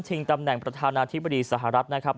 ตำแหน่งประธานาธิบดีสหรัฐนะครับ